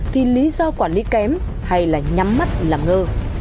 thì lý do quản lý kém hay là nhắm mắt làm ngơ